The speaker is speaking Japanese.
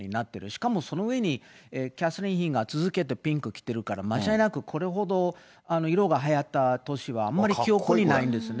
しかもそのうえにキャサリン妃が続けてピンク着てるから、間違いなく、これほど色がはやった年はあんまり記憶にないんですね。